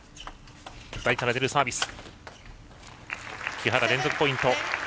木原、連続ポイント。